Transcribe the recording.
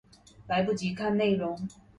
來不及看內容